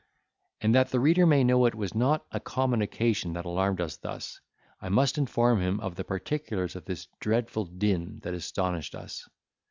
And that the reader may know it was not a common occasion that alarmed us thus, I must inform him of the particulars of this dreadful din that astonished us.